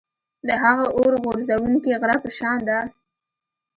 د هغه اور غورځوونکي غره په شان ده.